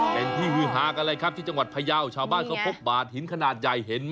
เป็นที่ฮือฮากันเลยครับที่จังหวัดพยาวชาวบ้านเขาพบบาดหินขนาดใหญ่เห็นไหม